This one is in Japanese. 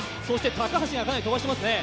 高橋がかなりとばしてますね。